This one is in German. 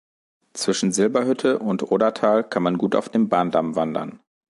Zwischen Silberhütte und Odertal kann man gut auf dem Bahndamm wandern.